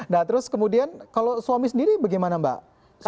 nah terus kemudian kalau suami sendiri bagaimana mbak